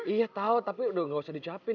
iya tau tapi udah gak usah dicapin